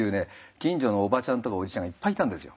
近所のおばちゃんとかおじちゃんがいっぱいいたんですよ。